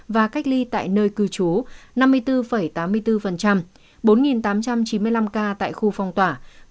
và cách ly tại nơi cư trú năm mươi bốn tám mươi bốn bốn tám trăm chín mươi năm ca tại khu phong tỏa một mươi năm